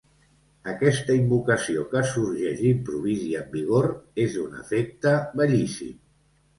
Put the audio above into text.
Aquesta invocació, que sorgeix d'improvís i amb vigor, és d'un efecte bellíssim.